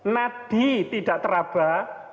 nadi tidak teraba